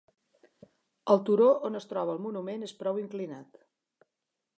El turó on es troba el monument és prou inclinat.